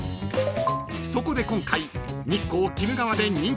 ［そこで今回］